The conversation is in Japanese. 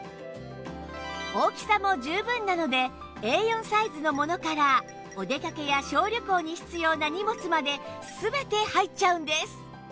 大きさも十分なので Ａ４ サイズのものからお出かけや小旅行に必要な荷物まで全て入っちゃうんです